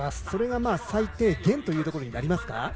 それが最低限というところになりますか。